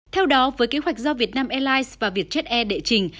theo đó với kế hoạch do việt nam airlines và vietjet air đệ trình